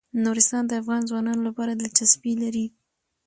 نورستان د افغان ځوانانو لپاره دلچسپي لري.